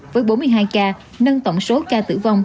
với bốn mươi hai ca nâng tổng số ca tử vong